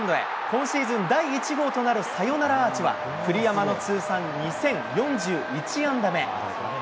今シーズン第１号となるサヨナラアーチは、栗山の通算２０４１安打目。